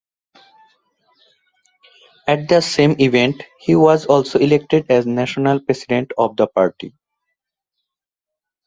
At the same event he was also elected as national president of the party.